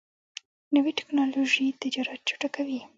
نوې ټکنالوژي تجارت چټکوي.